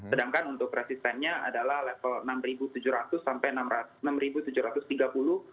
sedangkan untuk resistancenya adalah level enam ribu tujuh ratus enam ribu tujuh ratus tiga puluh